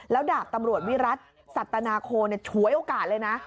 แล้วดาบตำรวจวิรัติสัตนาโคฉวยโอกาสเลยนะ